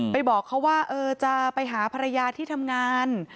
บอกเขาว่าจะไปหาภรรยาที่ทำงาน